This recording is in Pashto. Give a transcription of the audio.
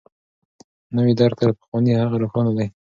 نوی درک تر پخواني هغه روښانه دی.